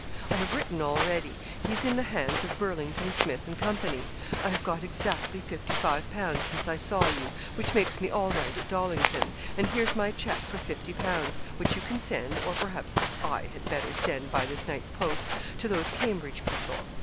I have written already. He's in the hands of Burlington, Smith, and Company. I have got exactly 55_l._ since I saw you, which makes me all right at Dollington; and here's my check for 50_l._ which you can send or perhaps I had better send by this night's post to those Cambridge people.